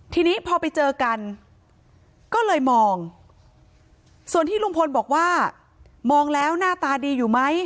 ทีนี้พอไปเจอกันก็เลยมองส่วนที่ลุงพลบอกว่ามองแล้วหน้าตาดีอยู่ไหม